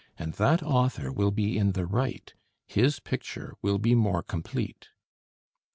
And that author will be in the right; his picture will be more complete."